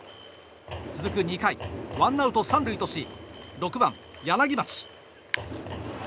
続く２回、ワンアウト３塁とし６番、柳町。